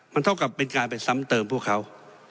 มันเท่ากับเป็นการไปซ้ำเติมพวกเขา